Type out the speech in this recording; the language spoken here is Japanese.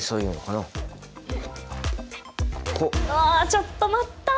ちょっと待った！